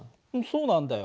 そうなんだよ。